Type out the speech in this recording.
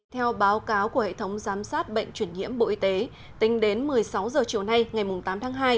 theo báo cáo của hệ thống giám sát bệnh chuyển nhiễm bộ y tế tính đến một mươi sáu h chiều nay ngày tám tháng hai